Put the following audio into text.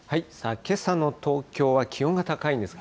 けさの東京は気温が高いんです。